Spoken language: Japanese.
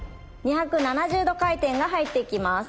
２７０度回転が入っていきます。